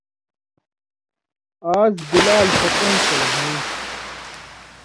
آز بِلال ستَئیں تل ہُوئینت۔